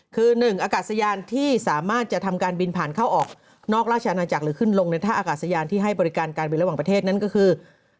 คือหนึ่งอากาศยานที่สามารถจะทำการบินผ่านเข้าออกนอกราชอาณาจักรหรือขึ้นลงในท่าอากาศยานที่ให้บริการการบินระหว่างประเทศนั้นก็คือ